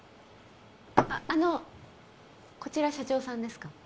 あっあのこちら社長さんですか？